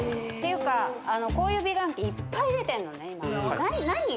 ていうかこういう美顔器いっぱい出てんのね